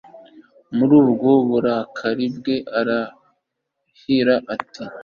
muri ubwo burakari bwe ararahira ati